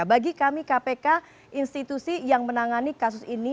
bagi kami kpk institusi yang menangani kasus ini